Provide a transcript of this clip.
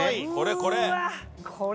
これこれ！